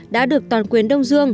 đã được toàn quyền đông dương